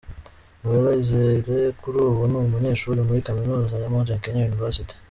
Noella Izere kuri ubu ni umunyeshuri muri Kaminuza ya Mount Kenya University.